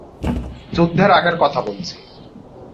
যুদ্ধের আগের কথা বলছি!